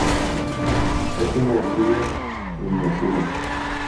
Es una orquídea miniatura.